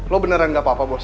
lo beneran enggak papa bos